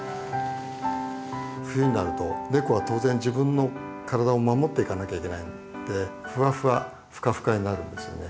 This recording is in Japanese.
冬になると猫は当然自分の体を守っていかなきゃいけないんでフワフワフカフカになるんですよね。